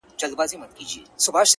زموږ اعمال د ځان سرمشق کړه تاریخ ګوره!.